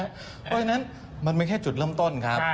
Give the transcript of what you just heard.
เพราะฉะนั้นมันเป็นแค่จุดเริ่มต้นครับ